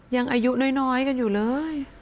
ยังอายุน้อยกันอยู่เลย